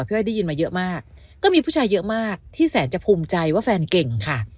อ้อยได้ยินมาเยอะมากก็มีผู้ชายเยอะมากที่แสนจะภูมิใจว่าแฟนเก่งค่ะ